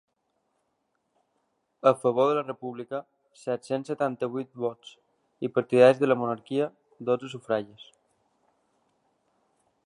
A favor de la república, set-cents setanta-vuit vots; i partidaris de la monarquia, dotze sufragis.